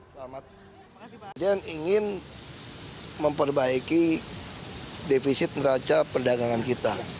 saya ingin memperbaiki defisit neraca perdagangan kita